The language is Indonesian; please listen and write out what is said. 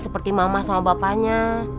seperti mama sama bapanya